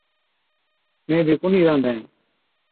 مين بِي ڪونھِي رانڌين۔